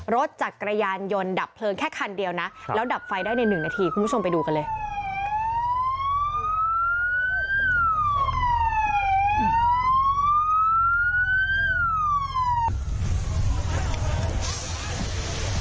รถจักรยานยนต์ดับเพลิงแค่คันเดียวนะแล้วดับไฟได้ในหนึ่งนาทีคุณผู้ชมไปดูกันเลย